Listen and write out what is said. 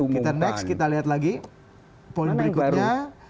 kita next kita lihat lagi poin berikutnya